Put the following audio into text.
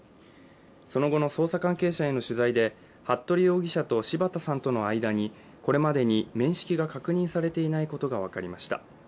その後の捜査関係者への取材で服部容疑者と柴田さんとの間にこれまでに面識が確認されていないことが分かりました。